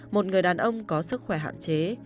một người đàn ông có sức khỏe hạn chế